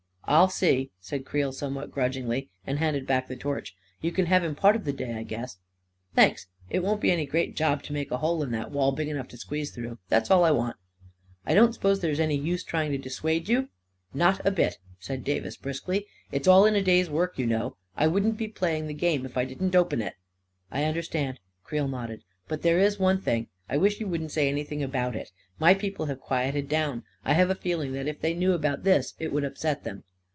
" 44 I'll see," said Creel, somewhat grudgingly, and handed back the torch. u You can have him part of the day, I guess." 44 Thanks. It won't be any great job to make a hole in that wall big enough to squeeze through. That's all I want." 44 1 don't suppose there is any use trying to dis suade you? " 44 Not a bit," said Davis, briskly. 44 It's all in the day's work, you know. I wouldn't be playing the game if I didn't open it." 44 1 understand," Creel nodded. 4< But there is one thing — I wish you wouldn't say anything about it. My people have quieted down ; I have a feeling that if they knew about this, it would upset them."